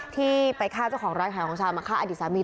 ที่ไปฆ่าเจ้าของร้านขายของชาวมาฆ่าอดีตสามี